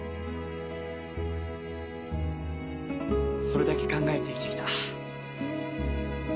それだけ考えて生きてきた。